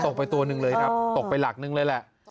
ไปตัวหนึ่งเลยครับตกไปหลักนึงเลยแหละ